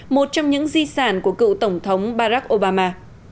một trong những di sản của cựu tổng thống barack obama